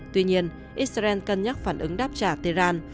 tuy nhiên israel cân nhắc phản ứng đáp trả tehran